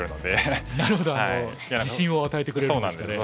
なるほど自信を与えてくれるんですかね。